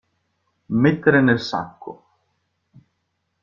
Mettere nel sacco.